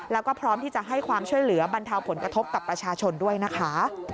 แล้วก็พร้อมที่จะให้ความช่วยเหลือบรรเทาผลกระทบกับประชาชนด้วยนะคะ